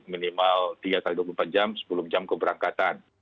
minimal tiga x dua puluh empat jam sepuluh jam keberangkatan